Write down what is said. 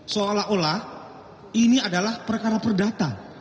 seolah olah ini adalah perkara perdata